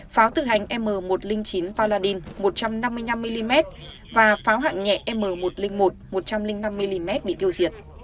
pháo tự hành m một trăm linh chín paradin một trăm năm mươi năm mm và pháo hạng nhẹ m một trăm linh một một trăm linh năm mm bị tiêu diệt